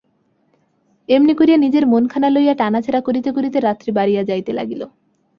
এমনি করিয়া নিজের মনখানা লইয়া টানাছেঁড়া করিতে করিতে রাত্রি বাড়িয়া যাইতে লাগিল।